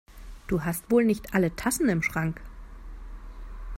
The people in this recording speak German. Du hast wohl nicht alle Tassen im Schrank!